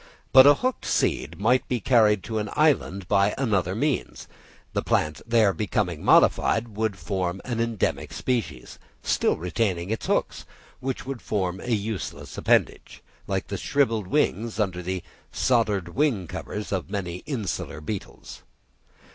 But a hooked seed might be carried to an island by other means; and the plant then becoming modified would form an endemic species, still retaining its hooks, which would form a useless appendage, like the shrivelled wings under the soldered wing covers of many insular beetles.